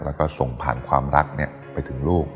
แล้วก็ส่งผ่านความรักไปถึงลูก